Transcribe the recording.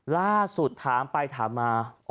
ล่าสุดถามไปถามมา